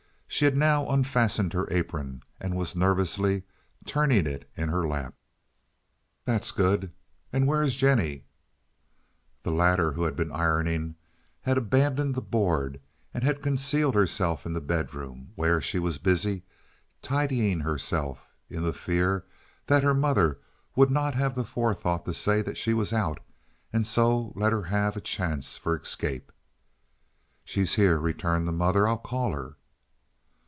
She had now unfastened her apron, and was nervously turning it in her lap. "That's good, and where is Jennie?" The latter, who had been ironing, had abandoned the board and had concealed herself in the bedroom, where she was busy tidying herself in the fear that her mother would not have the forethought to say that she was out, and so let her have a chance for escape. "She's here," returned the mother. "I'll call her."